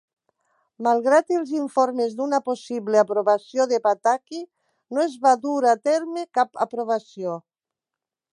Malgrat els informes d'una possible aprovació de Pataki, no es va dur a terme cap aprovació.